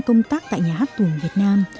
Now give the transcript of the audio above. công tác tại nhà hát tuồng việt nam